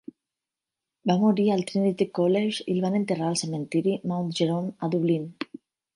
Va morir al Trinity College i el van enterrar al cementiri Mount Jerome, a Dublín.